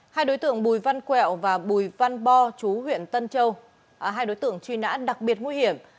hai đối tượng bùi văn quẹo và bùi văn bo chú huyện tân châu hai đối tượng truy nã đặc biệt nguy hiểm